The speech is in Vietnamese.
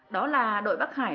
đó là đội bắc hải